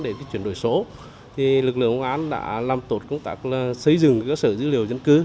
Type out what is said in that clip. để chuyển đổi số lực lượng công an đã làm tốt công tác xây dựng cơ sở dữ liệu dân cư